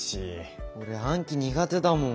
俺暗記苦手だもん。